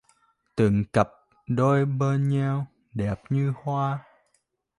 Từng cặp đôi bên nhau đẹp như hoa